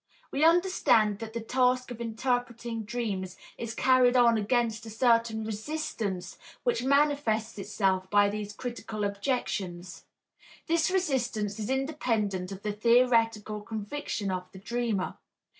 We understand that the task of interpreting dreams is carried on against a certain resistance which manifests itself by these critical objections. This resistance is independent of the theoretical conviction of the dreamer.